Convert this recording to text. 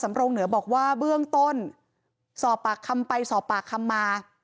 รงเหนือบอกว่าเบื้องต้นสอบปากคำไปสอบปากคำมา